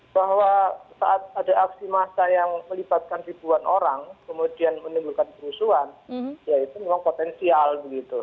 bahwa saat ada aksi massa yang melibatkan ribuan orang kemudian menimbulkan kerusuhan ya itu memang potensial begitu